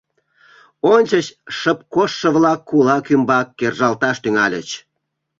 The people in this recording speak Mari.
Ончыч шып коштшо-влак кулак ӱмбак кержалташ тӱҥальыч.